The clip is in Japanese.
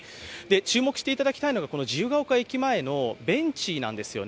注目していただきたいのは自由が丘駅前のベンチなんです。